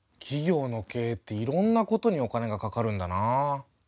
企業の経営っていろんなことにお金がかかるんだなぁ。